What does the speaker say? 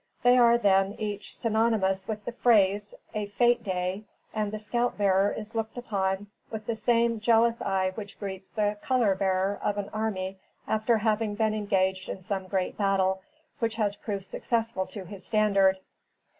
They are, then, each synonymous with the phrase, a fête day, and the scalp bearer is looked upon with the same jealous eye which greets the color bearer of an army after having been engaged in some great battle which has proved successful to his standard.